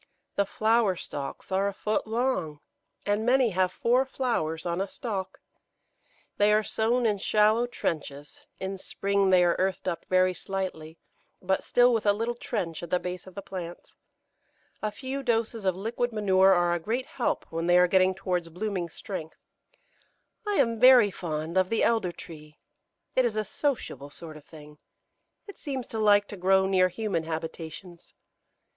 The flower stalks are a foot long, and many have four flowers on a stalk. They are sown in shallow trenches; in spring they are earthed up very slightly, but still with a little trench at the base of the plants. A few doses of liquid manure are a great help when they are getting towards blooming strength. I am very fond of the Elder tree. It is a sociable sort of thing; it seems to like to grow near human habitations.